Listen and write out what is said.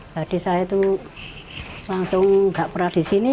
jadi saya itu langsung gak pernah di sini